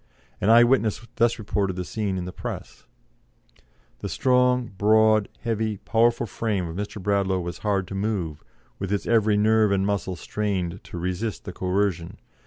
An eye witness thus reported the scene in the Press: "The strong, broad, heavy, powerful frame of Mr. Bradlaugh was hard to move, with its every nerve and muscle strained to resist the coercion.